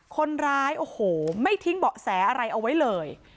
คนร้ายโอ้โหไม่ทิ้งเบาะแสอะไรเอาไว้เลย